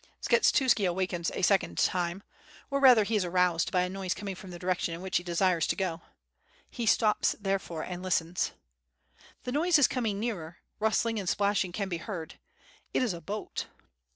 ... Skshetuski awakens a second time, or rather he is aroused by a noise coming from the direction in which he desires to go. He stops therefore and listens. The noise is coming nearer, rustling and splashing can be heard; it is a boat.